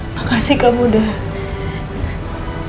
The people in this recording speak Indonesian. makasih kamu udah